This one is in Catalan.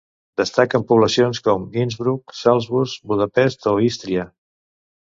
Destaquen poblacions com Innsbruck, Salzburg, Budapest o Ístria.